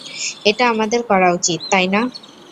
এটা আমাদের করা উচিত, তাই না?